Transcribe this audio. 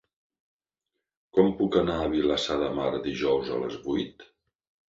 Com puc anar a Vilassar de Mar dijous a les vuit?